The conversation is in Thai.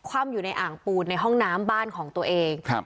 ว่ำอยู่ในอ่างปูนในห้องน้ำบ้านของตัวเองครับ